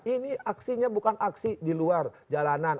ini aksinya bukan aksi di luar jalanan